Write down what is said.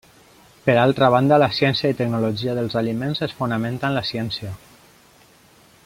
Per altra banda la ciència i tecnologia dels aliments es fonamenta en la ciència.